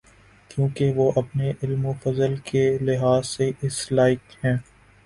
کیونکہ وہ اپنے علم و فضل کے لحاظ سے اس لائق ہیں۔